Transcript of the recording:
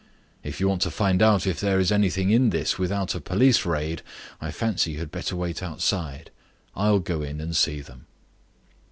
If you want to find out if there is anything in this without a police raid I fancy you had better wait outside. I'll go in and see them."